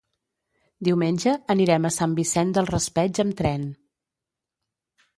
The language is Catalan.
Diumenge anirem a Sant Vicent del Raspeig amb tren.